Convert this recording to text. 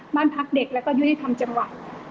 บ้านพักเด็กแล้วก็ยุทธิภัณฑ์จำหวะ